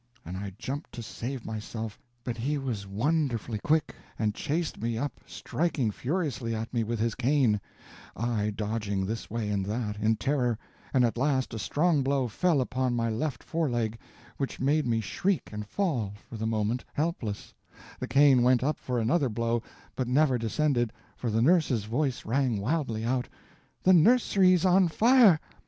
and I jumped to save myself; but he was furiously quick, and chased me up, striking furiously at me with his cane, I dodging this way and that, in terror, and at last a strong blow fell upon my left foreleg, which made me shriek and fall, for the moment, helpless; the cane went up for another blow, but never descended, for the nurse's voice rang wildly out, "The nursery's on fire!"